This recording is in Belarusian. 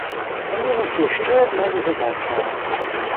Але вось яшчэ адна незадача!